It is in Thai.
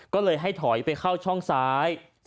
ก็อย่างนั้นเขาถอยไปเข้าช่องทางซ้าย